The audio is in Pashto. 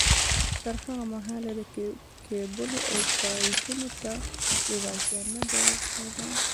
تر هغه مهاله ده کېبلو او پایپونو ته لېوالتیا نه در لوده